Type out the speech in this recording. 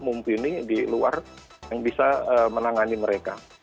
mungkin ini di luar yang bisa menangani mereka